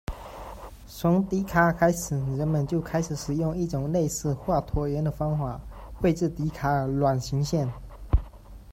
从笛卡尔开始，人们就开始使用一种类似于画椭圆的方法绘制笛卡尔卵形线。